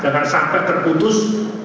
jangan sampai terputus